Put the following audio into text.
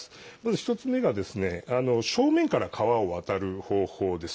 １つ目が正面から川を渡る方法です。